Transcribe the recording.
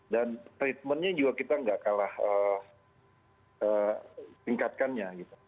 dan treatmentnya juga kita nggak kalah tingkatkannya